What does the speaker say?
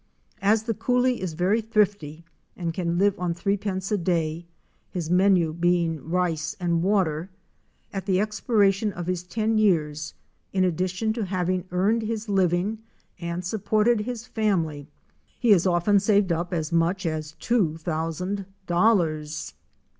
As the coolie is very thrifty and can live on threepence a day, his menu being rice and water, at the expiration of his ten years, in addition to having earned his living and supported his family, he has often saved up as much as two thousand dollars.